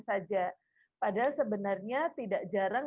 saja padahal sebenarnya tidak jarang